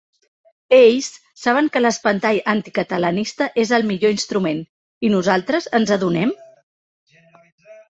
'Ells' saben que l'espantall anticatalanista és el 'millor' instrument. I nosaltres, ens adonem?